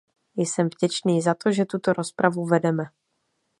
Jsem vděčný za to, že tuto rozpravu vedeme.